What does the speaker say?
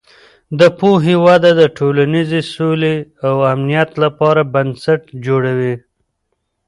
د پوهې وده د ټولنیزې سولې او امنیت لپاره بنسټ جوړوي.